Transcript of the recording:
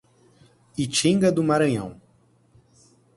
Itinga do Maranhão